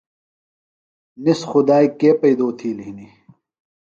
نِس خُدائی کے پیئدو تِھیلیۡ ہِنیۡ۔